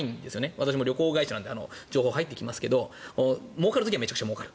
私も旅行会社なので情報が入ってきますがもうかる時はめちゃくちゃもうかる。